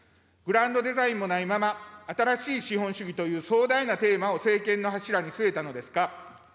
グランドデザインもないまま、新しい資本主義という壮大なテーマを政権の柱に据えたのですか。